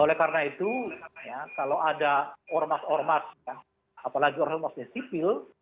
oleh karena itu ya kalau ada ormas ormas ya apalagi ormas yang sipil